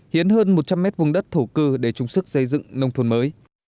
hiến hơn một trăm linh mét vùng đất thổ cư để chung sức xây dựng nông thôn mới